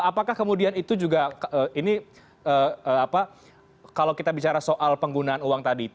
apakah kemudian itu juga ini kalau kita bicara soal penggunaan uang tadi